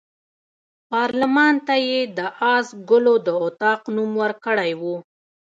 پارلمان ته یې د آس ګلو د اطاق نوم ورکړی وو.